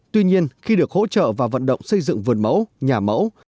tuy nhiên khi được hỗ trợ và vận động xây dựng vườn mẫu nhà mẫu